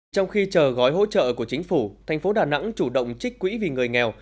trong khi chờ gói hỗ trợ của chính phủ thành phố đà nẵng chủ động trích quỹ vì người nghèo